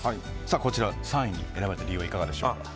こちらを３位に選ばれた理由はいかがでしょうか。